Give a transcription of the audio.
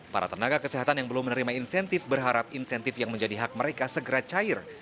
para tenaga kesehatan yang belum menerima insentif berharap insentif yang menjadi hak mereka segera cair